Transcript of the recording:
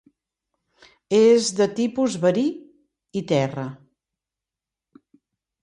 És de tipus verí i terra.